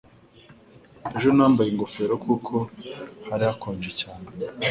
Ejo nambaye ingofero kuko hari hakonje cyane.